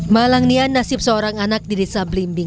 malangnya nasib seorang anak di desa belimbing